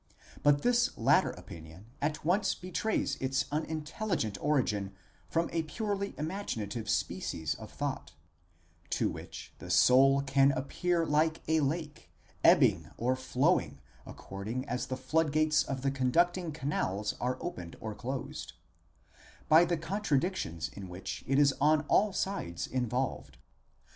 But this latter opinion at once betrays its unintelli gent origin from a purely imaginative species of thought (to which the soul can appear like a lake, ebbing or flowing according as the floodgates of the con ducting canals are opened or closed), by the contradictions in which it is on all sides involved.